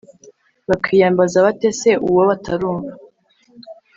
bakwiyambaza bate se uwo batarumva